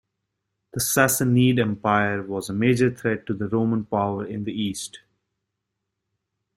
The Sassanid Empire was a major threat to the Roman power in the East.